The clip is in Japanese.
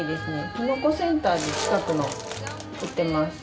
キノコセンターで近くの売ってます。